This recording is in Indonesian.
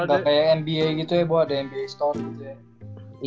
nggak kayak nba gitu ya bu ada nba store gitu ya